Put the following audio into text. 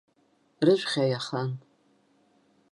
Рыжәхьа иахан.